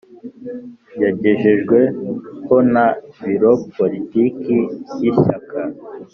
Yagejejweho na biro politiki y ishyaka